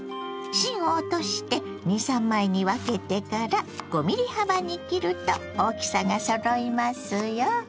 芯を落として２３枚に分けてから５ｍｍ幅に切ると大きさがそろいますよ。